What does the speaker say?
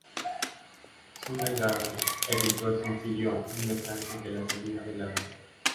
Soundgarden editó el sencillo un mes antes de la salida del álbum.